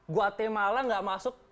guatemala gak masuk